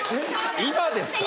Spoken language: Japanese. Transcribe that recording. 今ですか？